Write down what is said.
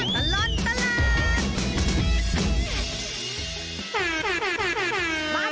ชั่วตลอดตลาด